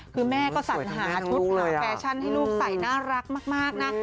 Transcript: คือแม่ก็สัญหาชุดหาแฟชั่นให้ลูกใส่น่ารักมากนะ